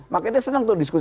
makanya dia senang tuh diskusi